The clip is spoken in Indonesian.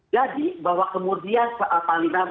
jadi bahwa kemudian pak panglima